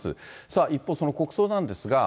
さあ、一方、その国葬なんですが。